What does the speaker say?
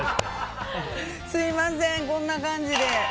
すみません、こんな感じで。